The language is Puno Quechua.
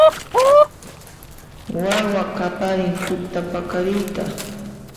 Wawa qaparin tutapaqariyta